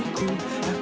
indonesia tanah airku